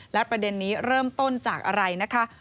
และประเด็นนี้เริ่มต้นจากอะไรนะคะ